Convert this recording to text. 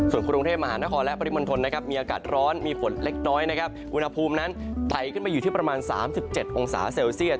ส่วนกรุงเทพมหานครและปริมณฑลนะครับมีอากาศร้อนมีฝนเล็กน้อยนะครับอุณหภูมินั้นไถขึ้นมาอยู่ที่ประมาณ๓๗องศาเซลเซียต